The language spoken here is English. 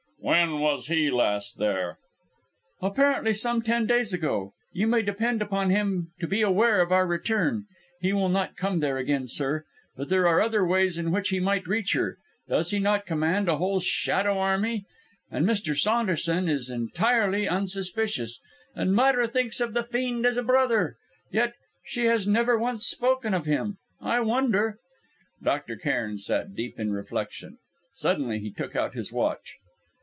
"When was he last there?" "Apparently some ten days ago. You may depend upon him to be aware of our return! He will not come there again, sir. But there are other ways in which he might reach her does he not command a whole shadow army! And Mr. Saunderson is entirely unsuspicious and Myra thinks of the fiend as a brother! Yet she has never once spoken of him. I wonder...." Dr. Cairn sat deep in reflection. Suddenly he took out his watch.